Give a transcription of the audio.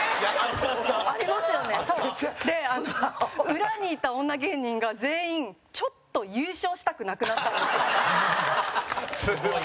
裏にいた女芸人が、全員ちょっと優勝したくなくなったんです。